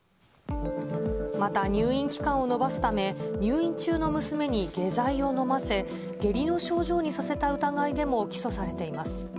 また、入院期間を延ばすため、入院中の娘に下剤を飲ませ、下痢の症状にさせた疑いでも起訴されています。